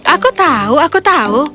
aku tahu aku tahu